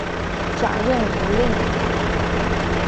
转任吴令。